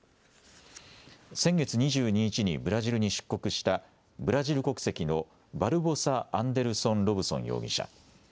先月２２日にブラジルに出国したブラジル国籍のバルボサ・アンデルソン・ロブソン容疑者。